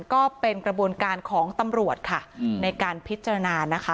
ก็เป็นกระบวนการของตำรวจค่ะในการพิจารณานะคะ